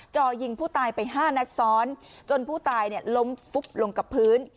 จ่อยิงผู้ตายไปห้านัดซ้อนจนผู้ตายล้มฟุบลงกับพื้น